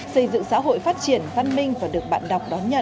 xây dựng xã hội phát triển văn minh và được bạn đọc đón nhận